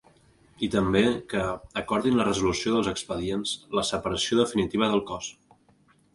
I també, que ‘acordin la resolució dels expedients la separació definitiva del cos’.